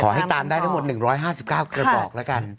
ขอให้ตามได้ทั้งหมดหนึ่งร้อยห้าสิบเก้าเกิดบอกแล้วกัน